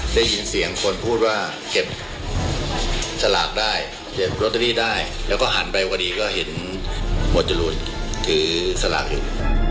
ดีกว่าเก็บสลากได้เก็บรอเตอรี่ได้แล้วก็หันไปกว่าดีก็เห็นหมวดจรูนคือสลากอยู่